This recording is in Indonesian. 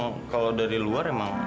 kamu kan kayaknya kakinya udah sembuh ya